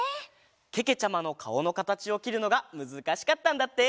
けけちゃまのかおのかたちをきるのがむずかしかったんだって。